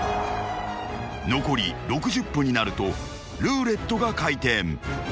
［残り６０分になるとルーレットが回転］